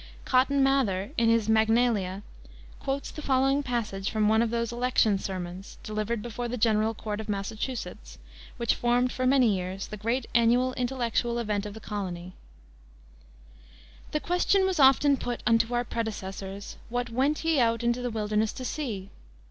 Cotton Mather, in his Magnalia, quotes the following passage from one of those election sermons, delivered before the General Court of Massachusetts, which formed for many years the great annual intellectual event of the colony: "The question was often put unto our predecessors, What went ye out into the wilderness to see?